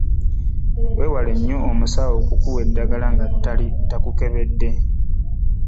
Weewale nnyo omusawo akuwa eddagala nga takukebedde.